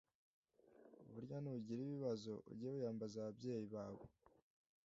burya nugira ibibazo uge wiyambaza ababyeyi bawe